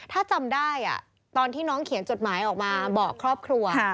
ถ้าจำได้ตอนที่น้องเขียนจดหมายออกมาบอกครอบครัว